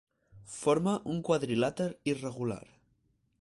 Forma un quadrilàter irregular.